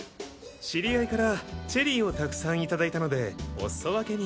知り合いからチェリーをたくさん頂いたのでおすそ分けに。